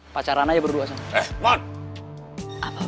pacaran aja berdua